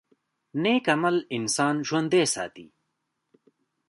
نیک عمل انسان ژوندی ساتي